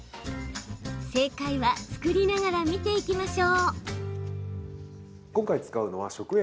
正解は、作りながら見ていきましょう。